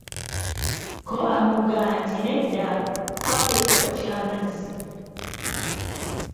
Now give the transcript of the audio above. Kko Wamugga nti, "nedda kwako ekikopo kyamazzi."